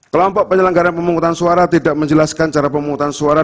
kelompok penyelenggara pemungutan suara tidak menjelaskan cara pemungutan suara